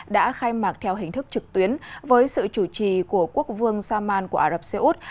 đã khai mạc theo hình thức trực tuyến với sự chủ trì của quốc vương saman của ả rập xê út